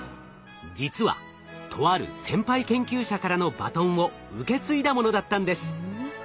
実はとある先輩研究者からのバトンを受け継いだものだったんです。